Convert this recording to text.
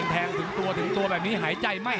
โหโหโหโหโหโหโหโหโหโห